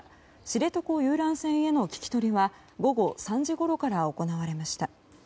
知床遊覧船への聞き取りは午後３時ごろから行われました。